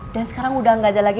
dan sekarang udah gak ada lagi